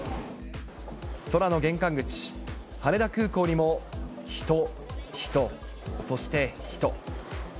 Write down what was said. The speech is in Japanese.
空の玄関口、羽田空港にも人、人、そして人。